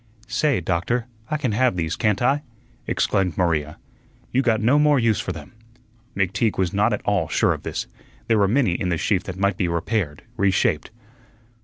"Say, Doctor, I can have these, can't I?" exclaimed Maria. "You got no more use for them." McTeague was not at all sure of this. There were many in the sheaf that might be repaired, reshaped.